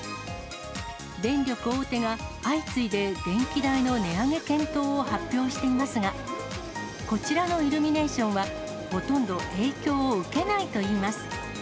電力大手が相次いで電気代の値上げ検討を発表していますが、こちらのイルミネーションは、ほとんど影響を受けないといいます。